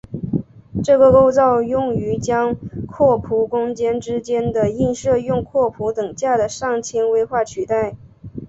这个构造用于将拓扑空间之间的映射用拓扑等价的上纤维化取代。